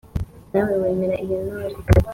Nawe wemera iyo ntero,